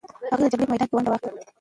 هغې د جګړې په میدان کې ونډه واخیسته.